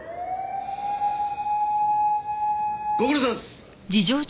ご苦労さまです！